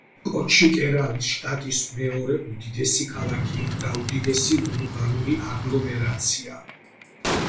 კოჩი კერალის შტატის მეორე უდიდესი ქალაქია და უდიდესი ურბანული აგლომერაციაა.